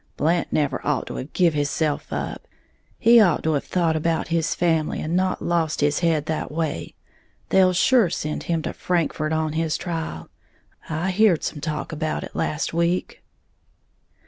Blant never ought to have give hisself up, he ought to have thought about his family, and not lost his head that way. They'll sure send him to Frankfort on his trial, I heared some talk about it last week."